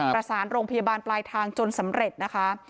ประสานโรงพยาบาลปลายทางจนสำเร็จนะคะ